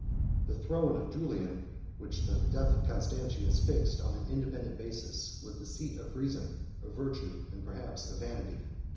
The throne of Julian, which the death of Constantius fixed on an independent basis, was the seat of reason, of virtue, and perhaps of vanity.